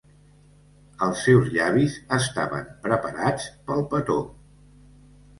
Els seus llavis estaven preparats pel petó!